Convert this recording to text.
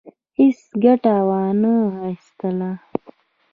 هیڅ ګټه وانه خیستله.